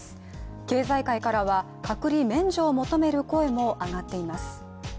経済界からは隔離免除を求める声も上がっています。